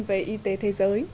về y tế thế giới